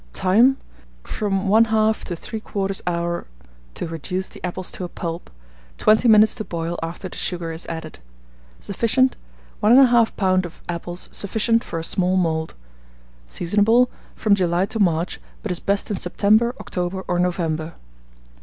Time. From 1/2 to 3/4 hour to reduce the apples to a pulp; 20 minutes to boil after the sugar is added. Sufficient. 1 1/2 lb. of apples sufficient for a small mould. Seasonable from July to March; but is best in September, October or November.